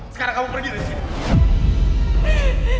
sekarang kamu pergi dari sini